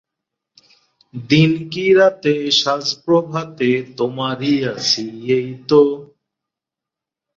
তিনি কক্সবাজার পৌরসভার নির্বাচিত চেয়ারম্যান হিসেবে দায়িত্ব পালন করেন।